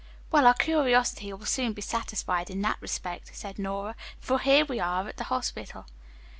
"Well, our curiosity will soon be satisfied in that respect," said Nora, "for here we are at the hospital."